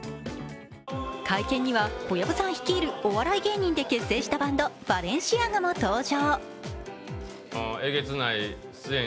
会見には、小薮さん率いるお笑い芸人で結成したバンド、バレンシアガも登場。